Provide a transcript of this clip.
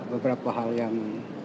beberapa hal yang